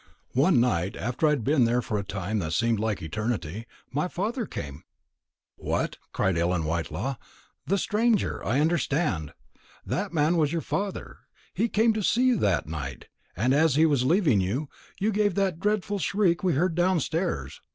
One night, after I had been there for a time that seemed like eternity, my father came " "What!" cried Ellen Whitelaw, "the stranger! I understand. That man was your father; he came to see you that night; and as he was leaving you, you gave that dreadful shriek we heard downstairs.